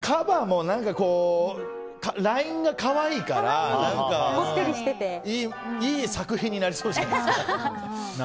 カバも、ラインが可愛いからいい作品になりそうじゃないですか。